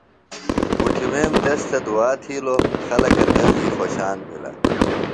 بُٹھِمیم تس تھےۡ دُعا تھِیلوۡ۔ خلکہ تس دیۡ خوشان بھِلہ۔